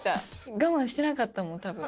我慢してなかったもん、たぶん。